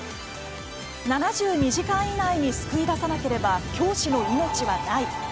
「７２時間以内に救い出さなければ教師の命はない」